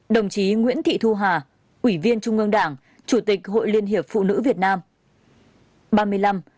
ba mươi bốn đồng chí nguyễn thị thu hà ủy viên trung ương đảng chủ tịch hội liên hiệp phụ nữ việt nam